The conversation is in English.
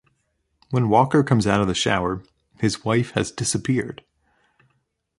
When Walker comes out of the shower, his wife has disappeared.